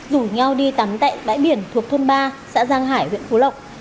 rủ nhau đi tắm tại bãi biển thuộc thôn ba xã giang hải huyện phú lộc